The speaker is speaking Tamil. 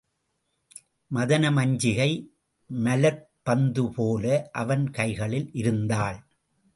மதனமஞ்சிகை மலர்ப் பந்துபோல அவன் கைகளில் இருந்தாள்.